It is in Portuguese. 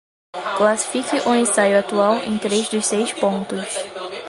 Classifique o ensaio atual em três dos seis pontos.